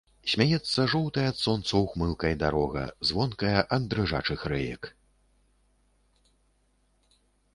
Смяецца жоўтай ад сонца ўхмылкай дарога, звонкая ад дрыжачых рэек.